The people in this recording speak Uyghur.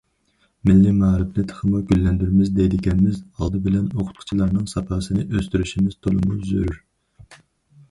مىللىي مائارىپنى تېخىمۇ گۈللەندۈرىمىز دەيدىكەنمىز، ئالدى بىلە ئوقۇتقۇچىلارنىڭ ساپاسىنى ئۆستۈرۈشىمىز تولىمۇ زۆرۈر.